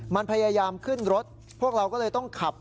มันพยายามขึ้นรถพวกเราก็เลยต้องขับ